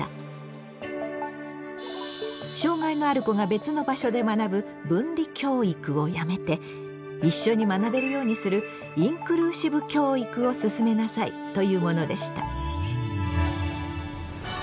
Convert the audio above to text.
障害のある子が別の場所で学ぶ「分離教育」をやめて一緒に学べるようにする「インクルーシブ教育」を進めなさいというものでした。